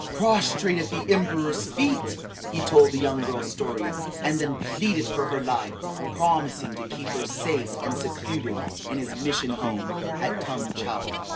Prostrate at the emperor's feet, he told the young girl's story, and then pleaded for her life, promising to keep her safe and secluded in his mission home at Tung Chow.